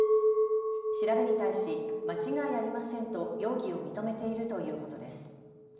調べに対し間違いありませんと容疑を認めているということです。